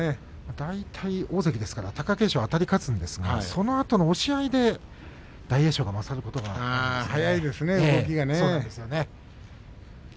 大体大関ですから貴景勝とあたり勝つんですがそのあとの押し合いで動きが速いですね。